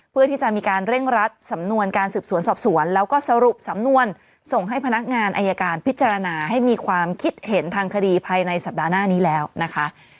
เพื่อที่จะมีการเร่งรัดสำนวนการสืบสวนสอบสวนแล้วก็สรุปสำนวนส่งให้พนักงานอายการพิจารณาให้มีความคิดเห็นทางคดีภายในสัปดาห์หน้านี้แล้วนะคะ